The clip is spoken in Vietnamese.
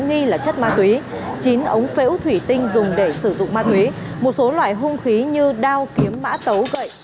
nghi là chất ma túy chín ống phễu thủy tinh dùng để sử dụng ma túy một số loại hung khí như đao kiếm mã tấu gậy